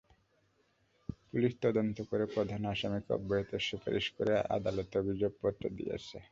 Police তদন্ত করে প্রধান আসামিকে অব্যাহতির সুপারিশ করে আদালতে অভিযোগপত্র দিয়েছে।